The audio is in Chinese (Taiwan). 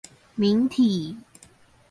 明體